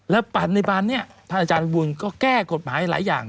แล้วปัจจุบันนี้ท่านอาจารย์บุญก็แก้กฎหมายหลายอย่าง